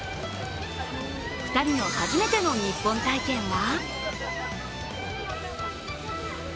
２人の初めてのニッポン体験は？